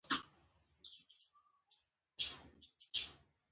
د کلیزو منظره د افغانانو د ګټورتیا برخه ده.